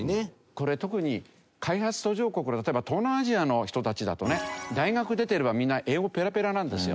これ特に開発途上国の例えば東南アジアの人たちだとね大学を出ていればみんな英語がペラペラなんですよ。